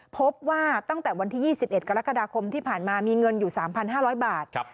พบว่าตั้งแต่วันที่๒๑กรกฎาคมที่ผ่านมามีเงินอยู่๓๕๐๐บาท